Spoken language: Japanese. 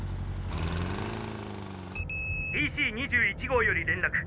ＰＣ２１号より連絡。